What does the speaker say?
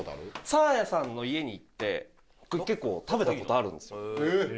サーヤさんの家に行って結構食べたことあるんですよ